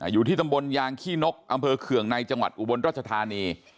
อยู่ที่ตำบลยางขี้นกอำเภอเคืองในจังหวัดอุบลรัชธานี